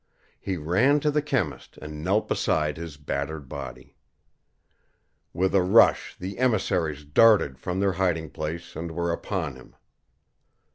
He ran to the chemist and knelt beside his battered body. With a rush the emissaries darted from their hiding place and were upon him.